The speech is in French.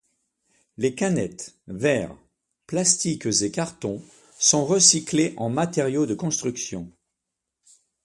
Les canettes, verre, plastique et cartons sont recyclés en matériaux de construction.